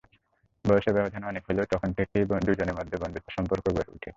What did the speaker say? বয়সের ব্যবধান অনেক হলেও তখন থেকেই দুজনের মধ্যে বন্ধুত্বের সম্পর্ক গড়ে ওঠে।